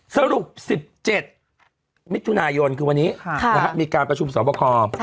สรุป๑๗มิถุนายนคือวันนี้มีการประชุมสอบคอ